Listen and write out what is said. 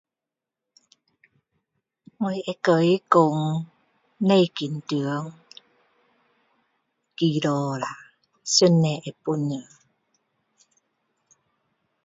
我会跟他讲不用紧张祈祷下上帝会帮助